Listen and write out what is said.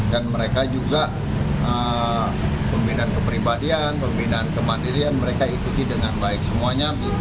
dan mereka juga pembinaan kepribadian pembinaan kemandirian mereka ikuti dengan baik semuanya